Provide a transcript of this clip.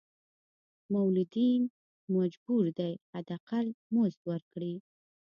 مولدین مجبور دي حد اقل مزد ورکړي.